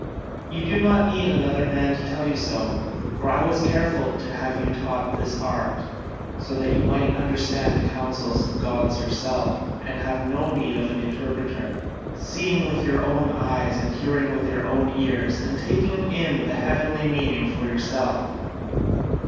You do not need another man to tell you so, for I was careful to have you taught this art, so that you might understand the counsels of the gods yourself and have no need of an interpreter, seeing with your own eyes and hearing with your own ears and taking the heavenly meaning for yourself.